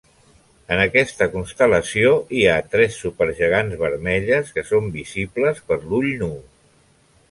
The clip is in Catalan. En aquesta constel·lació hi ha tres supergegants vermelles que són visibles per l'ull nu.